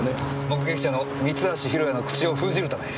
目撃者の三橋弘也の口を封じるため。